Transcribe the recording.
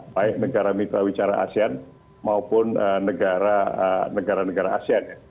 baik negara mitra wicara asean maupun negara negara asean